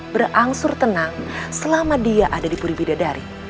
berangsur tenang selama dia ada di puri bidadari